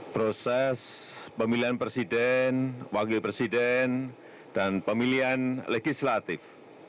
proses pemilihan presiden wakil presiden dan pemilihan legislatif